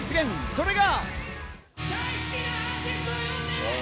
それが。